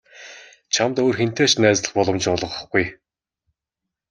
Чамд өөр хэнтэй ч найзлах боломж олгохгүй.